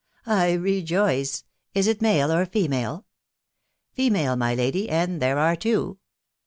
*' I rejoice. .•. Is it male or female? " Female, my lady, and there are two."